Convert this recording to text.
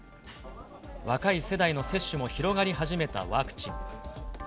若い世代の接種も広がり始めたワクチン。